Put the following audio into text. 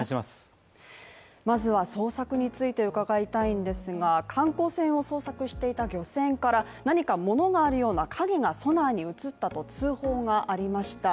まずは捜索について伺いたいんですが観光船を捜索していた漁船から何かものがあるような影がソナーに映ったと通報がありました。